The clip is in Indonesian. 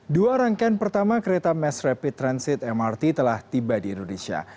dua rangkaian pertama kereta mass rapid transit mrt telah tiba di indonesia